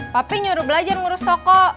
tapi nyuruh belajar ngurus toko